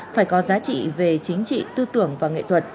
phải có giá trị về chính trị tư tưởng và nghệ thuật